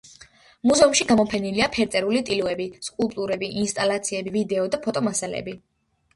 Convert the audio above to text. მუზეუმში გამოფენილია ფერწერული ტილოები, სკულპტურები, ინსტალაციები, ვიდეო და ფოტო მასალები.